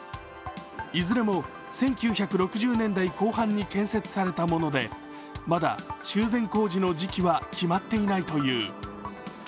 いずれも１９６０年代後半に建設されたもので、まだ修繕工事の時期は決まっていないという。